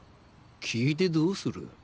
聞いてどうする？